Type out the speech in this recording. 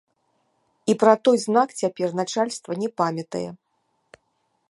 І пра той знак цяпер начальства не памятае.